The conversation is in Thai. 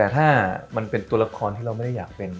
แต่ถ้ามันเป็นตัวละครที่เราไม่ได้อยากเป็น